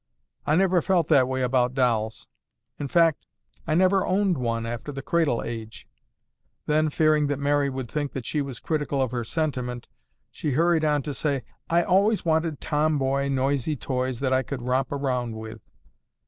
"I never felt that way about dolls. In fact, I never owned one after the cradle age." Then, fearing that Mary would think that she was critical of her sentiment, she hurried on to say, "I always wanted tom boy, noisy toys that I could romp around with."